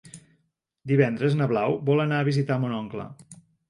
Divendres na Blau vol anar a visitar mon oncle.